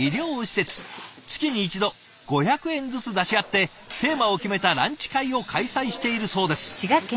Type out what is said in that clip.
月に一度５００円ずつ出し合ってテーマを決めたランチ会を開催しているそうです。